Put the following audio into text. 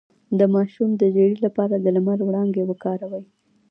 د ماشوم د ژیړي لپاره د لمر وړانګې وکاروئ